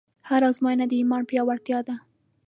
هره ازموینه د ایمان پیاوړتیا ده.